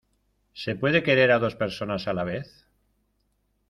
¿ se puede querer a dos personas a la vez?